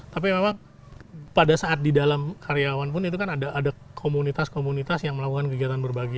tapi memang pada saat di dalam karyawan pun itu kan ada komunitas komunitas yang melakukan kegiatan berbagi